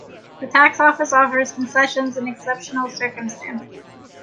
The tax office offers concessions in exceptional circumstances.